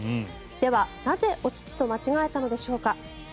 では、なぜお乳と間違えたのでしょうか。